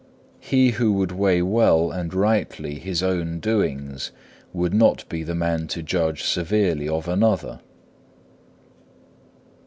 He who would weigh well and rightly his own doings would not be the man to judge severely of another.